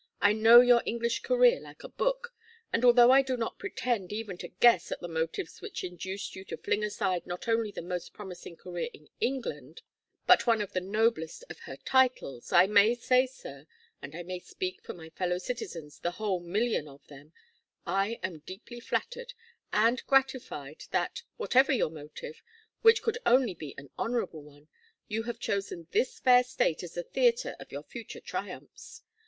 I know your English career like a book, and although I do not pretend even to guess at the motives which induced you to fling aside not only the most promising career in England, but one of the noblest of her titles, I may say, sir and I may speak for my fellow citizens, the whole million of them I am deeply flattered, and gratified, that, whatever your motive, which could only be an honorable one, you have chosen this fair State as the theatre of your future triumphs.